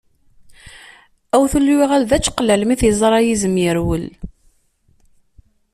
Awtul yuɣal d ačeqlal, mi t-yeẓra yizem, yerwel.